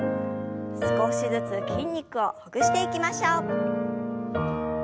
少しずつ筋肉をほぐしていきましょう。